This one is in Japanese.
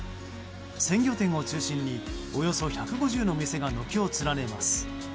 鮮魚店を中心におよそ１５０の店が軒を連ねます。